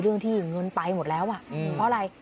เรื่องที่เงินไปหมดแล้วอ่ะเพราะอะไร